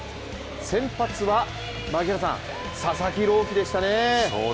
先発は佐々木朗希でしたね。